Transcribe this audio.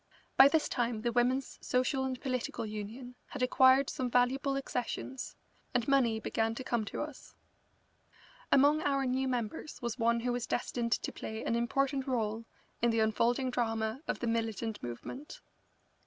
By this time the Women's Social and Political Union had acquired some valuable accessions, and money began to come to us. Among our new members was one who was destined to play an important rôle in the unfolding drama of the militant movement.